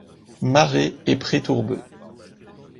Marais et prés tourbeux.